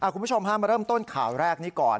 คุณผู้ชมมาเริ่มต้นข่าวแรกนี้ก่อน